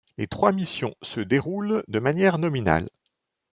Les trois missions se déroulent de manière nominale.